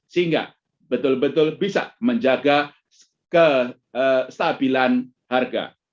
sehingga betul betul bisa menjaga kestabilan harga